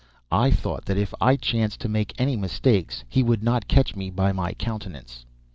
I thought that if I chanced to make any mistakes, he would not catch me by my countenance.